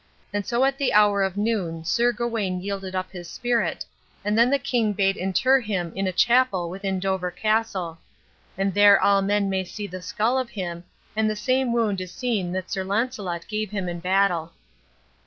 And so at the hour of noon Sir Gawain yielded up his spirit, and then the king bade inter him in a chapel within Dover Castle; and there all men may see the skull of him, and the same wound is seen that Sir Launcelot gave him in battle.